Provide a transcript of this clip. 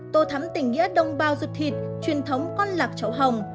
tô thắm tình nghĩa đông bao rụt thịt truyền thống con lạc chậu hồng